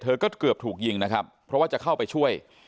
ก็เกือบถูกยิงนะครับเพราะว่าจะเข้าไปช่วย